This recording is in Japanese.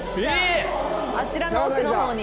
あちらの奥の方に。